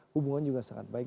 hubungan juga sangat baik